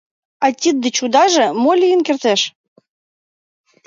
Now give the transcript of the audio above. А тиддеч удаже мо лийын кертеш?